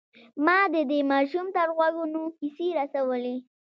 ما د دې ماشوم تر غوږونو کيسې رسولې.